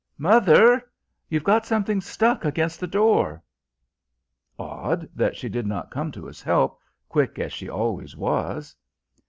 Mother, you've got something stuck against the door." Odd that she did not come to his help, quick as she always was.